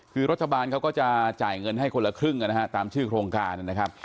คือรัฐบาลเขาก็จะจ่ายเงินให้คนละครึ่งนะฮะตามชื่อโครงการนะครับ